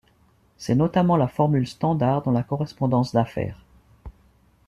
C'est notamment la formule standard dans la correspondance d'affaires.